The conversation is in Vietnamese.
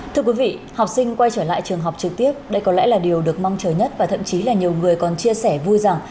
thưa quý vị học sinh quay trở lại trường học trực tiếp đây có lẽ là điều được mong chờ nhất và thậm chí là nhiều người còn chia sẻ vui rằng